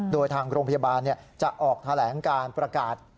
โดยทางโรงพยาบาลจะออกแถลงการประกาศ